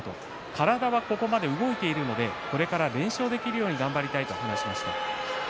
体はここまで動いているのでここから連勝できるように頑張りたいと話していました。